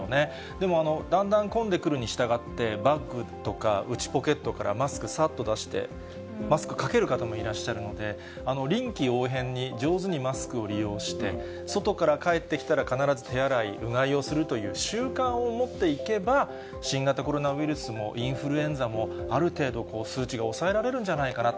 でもだんだん混んでくるにしたがって、バッグとか内ポケットからマスクさっと出して、マスクかける方もいらっしゃるので、臨機応変に上手にマスクを利用して、外から帰ってきたら、必ず手洗いうがいをするという習慣を持っていけば、新型コロナウイルスもインフルエンザも、ある程度、数値が抑えられるんじゃないかな。